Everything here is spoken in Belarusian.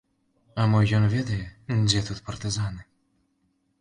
А мо ён ведае, дзе тут партызаны?